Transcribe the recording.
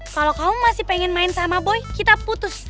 kalau kamu masih pengen main sama boy kita putus